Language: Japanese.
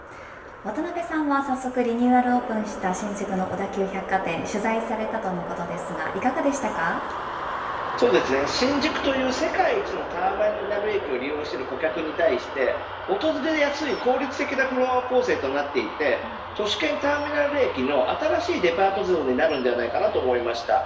渡辺さんは早速リニューアルオープンした新宿の小田急百貨店を取材されたとのことですが新宿という世界一のターミナル駅を利用している顧客に対して訪れやすい効率的なフロア構成となっていて都市圏ターミナル駅の新しいデパート像になると思います。